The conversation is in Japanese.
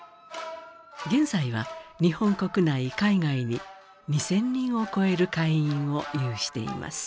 現在は日本国内海外に２，０００人を超える会員を有しています。